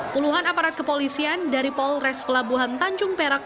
puluhan aparat kepolisian dari polres pelabuhan tanjung perak